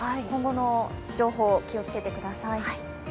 今後の情報、気をつけてください。